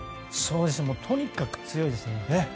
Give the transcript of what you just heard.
とにかく強いですね。